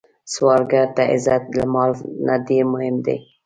سوالګر ته عزت له مال نه ډېر مهم دی